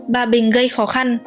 bà bình gây khó khăn